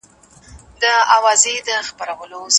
نورو ته ضرر مه رسوئ.